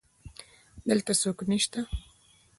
دلته څوک نسته